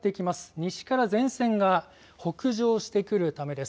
西から前線が北上してくるためです。